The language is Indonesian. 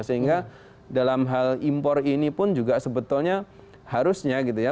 sehingga dalam hal impor ini pun juga sebetulnya harusnya gitu ya